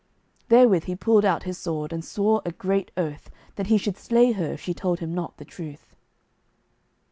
Therewith he pulled out his sword, and swore a great oath that he should slay her if she told him not the truth.